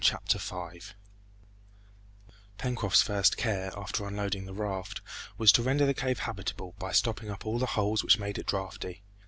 Chapter 5 Pencroft's first care, after unloading the raft, was to render the cave habitable by stopping up all the holes which made it draughty.